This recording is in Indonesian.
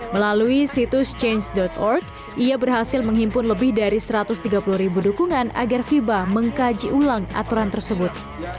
melalui situs change org ia berhasil menghimpun lebih dari satu ratus tiga puluh ribu dukungan agar fiba mengkaji ulang aturan tersebut